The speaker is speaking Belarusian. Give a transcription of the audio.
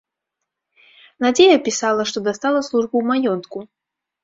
Надзея пісала, што дастала службу ў маёнтку.